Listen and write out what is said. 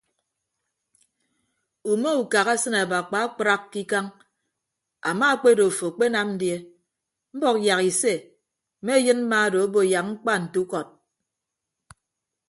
Ume ukak asịn abakpa akpraak ke ikañ ama akpedo afo akpenam die mbọk yak ise mme ayịn mma odo obo yak mkpa nte ukọd.